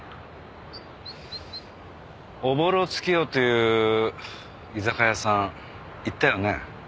おぼろ月夜っていう居酒屋さん行ったよね？